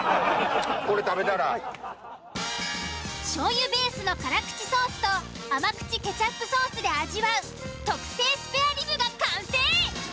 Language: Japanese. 醤油ベースの辛口ソースと甘口ケチャップソースで味わう特製スペアリブが完成。